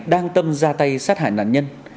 đang tâm ra tay sát hại nạn nhân